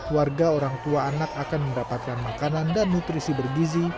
warga orang tua anak akan mendapatkan makanan dan nutrisi bergizi